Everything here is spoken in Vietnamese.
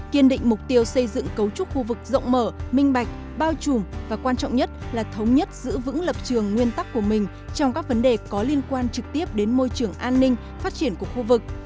kiên định mục tiêu xây dựng cấu trúc khu vực rộng mở minh bạch bao trùm và quan trọng nhất là thống nhất giữ vững lập trường nguyên tắc của mình trong các vấn đề có liên quan trực tiếp đến môi trường an ninh phát triển của khu vực